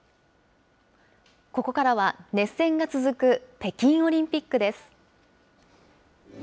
ここからは熱戦が続く北京オリンピックです。